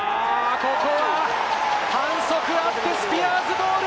ここは反則があってスピアーズボール。